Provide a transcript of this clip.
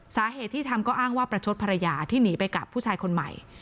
สาเหตุที่ทำก็อ้างว่าประชดภรรยาที่หนีไปกับผู้ชายคนใหม่